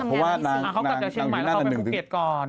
เพราะว่านางอยู่หน้านางอยู่หน้าเราไปภูเกษก่อน